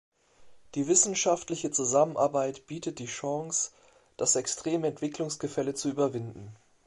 Die wissenschaftliche Zusammenarbeit bietet die Chance, das extreme Entwicklungsgefälle zu überwinden.